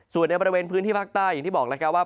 ส่วนในบริเวณพื้นที่ภาคใต้อย่างที่บอกแล้วครับว่า